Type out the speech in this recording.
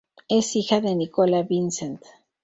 Es hija de Nicola Vincent.